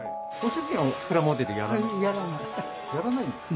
やらないんですか？